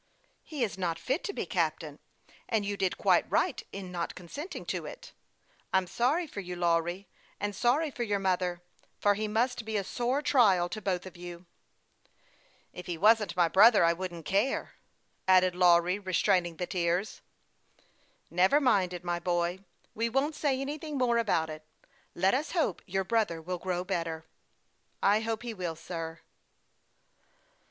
" He is not fit to be captain ; and you did quite right in not consenting to it. I'm sorry for you, Lawry, and sorry for your mother, for he must be a sore trial to both of you." " If he wasn't my brother I wouldn't care," added Lawry, restraining the tears which were gathering in his eyes. " Never mind it, my boy ; we won't say anything more about it. Let us hope your brother will grow better." THE YOUNG PILOT OF LAKE CHAMP.LAIN. 237 " I hope he will, sir."